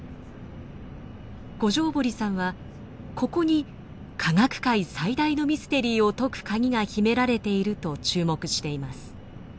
五條堀さんはここに科学界最大のミステリーを解く鍵が秘められていると注目しています。